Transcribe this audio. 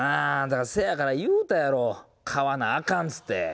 せやから言うたやろ、買わなあかんつって。